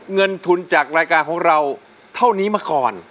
เงินทุนจากรายการของเราเท่านี้มาก่อน